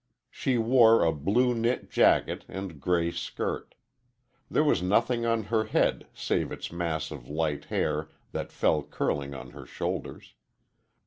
She wore a blue knit jacket and gray skirt. There was nothing on her head save its mass of light hair that fell curling on her shoulders.